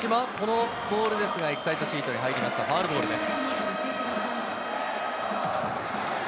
これも反対方向ですが、大島、このボールですがエキサイトシートに入りました、ファウルボールです。